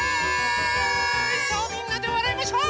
さあみんなでわらいましょう！